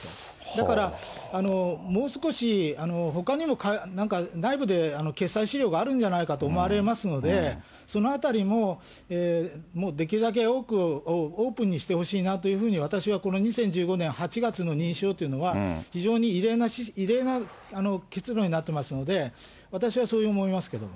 だから、もう少しほかにもなんか内部で決裁資料があるんじゃないかと思われますので、そのあたりももうできるだけオープンにしてほしいなというふうに私はこの２０１５年８月の認証というのは、非常に異例な結論になっていますので、私はそう思いますけど。